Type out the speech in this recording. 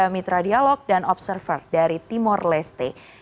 mitra dialog dan observer dari timor leste